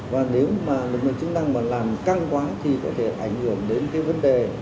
và nếu mà lực lượng chức năng mà làm căng quá thì có thể ảnh hưởng đến cái vấn đề